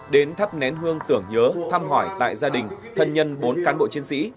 đến thắp nén hương tưởng nhớ thăm hỏi tại gia đình thân nhân bốn cán bộ chiến sĩ